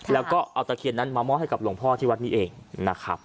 แล้วก็เอาตะเคียนนั้นมามอบให้กับหลวงพ่อที่วัดนี้เองนะครับ